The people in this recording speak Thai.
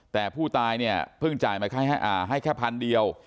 แต่ผู้ตายเนี่ยเพิ่งจ่ายมาให้แค่พันเดียว